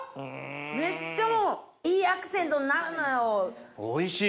めっちゃもういいアクセントになるのよ！